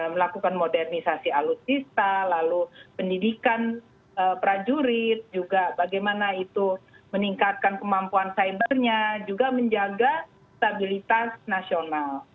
melakukan modernisasi alutsista lalu pendidikan prajurit juga bagaimana itu meningkatkan kemampuan cybernya juga menjaga stabilitas nasional